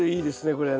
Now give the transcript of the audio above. これはね。